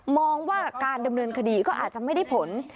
มองว่าการดำเนินคดีก็อาจจะไม่ได้ผล